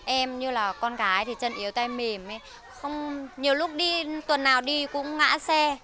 em như là con gái thì chân yếu tay mềm nhiều lúc tuần nào đi cũng ngã xe